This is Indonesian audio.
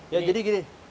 ya jadi gini